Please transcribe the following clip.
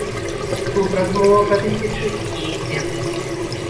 Тут размова пра тысячы не ідзе.